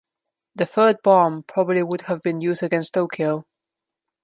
The third bomb probably would have been used against Tokyo.